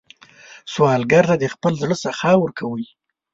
سوالګر ته د خپل زړه سخا ورکوئ